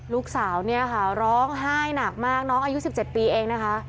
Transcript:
ลูกสาวเนี่ยค่ะร้องไห้หนักมากน้องอายุ๑๗ปีเองนะคะ